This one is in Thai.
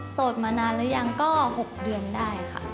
สดมานานหรือยังก็๖เดือนได้ค่ะ